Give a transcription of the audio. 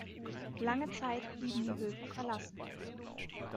Lange Zeit blieben die Höfe verlassen.